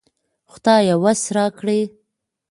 خدايه وس راکړې